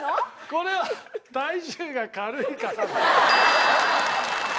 これは体重が軽いから。